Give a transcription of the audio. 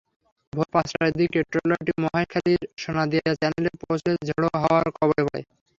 ভোর পাঁচটার দিকে ট্রলারটি মহেশখালীর সোনাদিয়া চ্যানেলে পৌঁছালে ঝোড়ো হাওয়ার কবলে পড়ে।